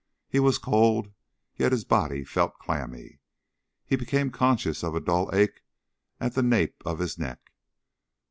He was cold, yet his body felt clammy. He became conscious of a dull ache at the nape of his neck.